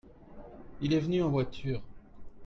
Il est venu en voiture.